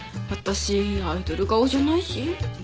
私アイドル顔じゃないし。